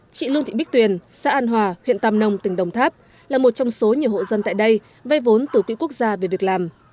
chị lương thị bích tuyền xã an hòa huyện tàm nông tỉnh đồng tháp là một trong số nhiều hộ dân tại đây vay vốn từ quỹ quốc gia về việc làm